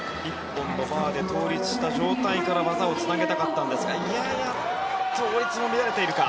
１本のバーで倒立した状態から技をつなげたかったんですが倒立も乱れているか。